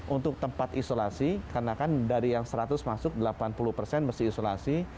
untuk tempat isolasi karena kan dari yang seratus masuk delapan puluh persen mesti isolasi